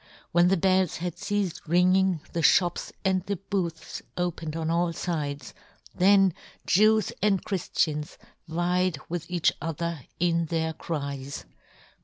When the bells " had ceafed ringing the fhops and " the booths opened on all fides, then " Jews and Chriftians vied with each " other in their cries.